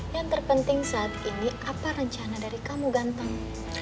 yang terpenting saat ini apa rencana dari kamu ganteng